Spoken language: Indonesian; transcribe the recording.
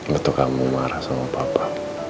itu kamu marah sama papa